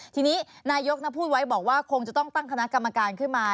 ทีนี้นายกพูดไว้บอกว่าคงจะต้องตั้งคณะกรรมการขึ้นมา